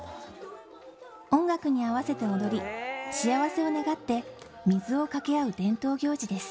音楽に合わせて踊り、幸せを願って水をかけ合う伝統行事です。